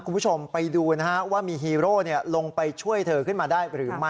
คุณผู้ชมไปดูนะฮะว่ามีฮีโร่ลงไปช่วยเธอขึ้นมาได้หรือไม่